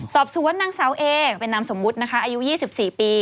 สอบสวนนางสาวเอเป็นนามสมมุตินะคะอายุ๒๔ปี